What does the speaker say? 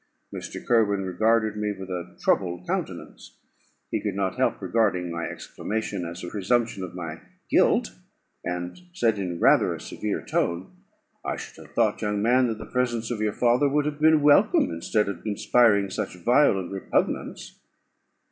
Mr. Kirwin regarded me with a troubled countenance. He could not help regarding my exclamation as a presumption of my guilt, and said, in rather a severe tone "I should have thought, young man, that the presence of your father would have been welcome, instead of inspiring such violent repugnance."